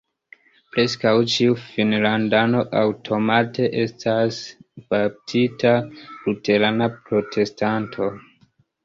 Preskaŭ ĉiu finnlandano aŭtomate estas baptita luterana protestanto.